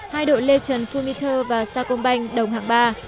hai đội lechon fullmeter và sacombank đồng hạng ba